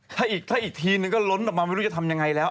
ถ้าอีกถ้าอีกทีนึงก็ล้นออกมาไม่รู้จะทำยังไงแล้ว